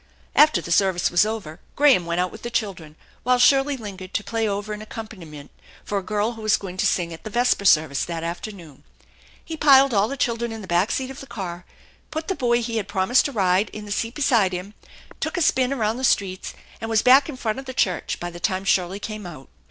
After the service was over Graham went out with the children, while Shirley lingered to play over an accompani ment for a girl who was going to sing at the vesper service that afternoon. He piled all the children in the back seat of the car, put the boy he had promised a ride in the seat beside him, took a spin around the streets, and was back in front of the church by the time Shirley came out.